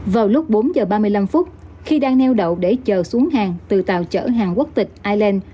vào lúc bốn giờ ba mươi năm phút khi đang neo đậu để chờ xuống hàng từ tàu chở hàng quốc tịch island